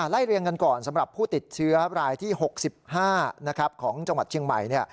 เรียงกันก่อนสำหรับผู้ติดเชื้อรายที่๖๕ของจังหวัดเชียงใหม่